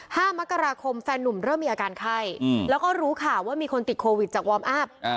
ห้ามกราคมแฟนนุ่มเริ่มมีอาการไข้อืมแล้วก็รู้ข่าวว่ามีคนติดโควิดจากวอร์มอัพอ